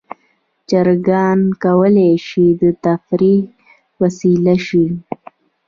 چرګان کولی شي د تفریح وسیله شي.